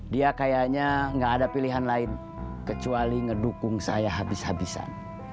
dia kayaknya gak ada pilihan lain kecuali ngedukung saya habis habisan